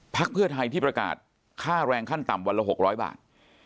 เพื่อไทยที่ประกาศค่าแรงขั้นต่ำวันละ๖๐๐บาท